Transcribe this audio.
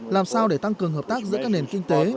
làm sao để tăng cường hợp tác giữa các nền kinh tế